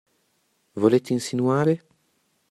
Volete insinuare?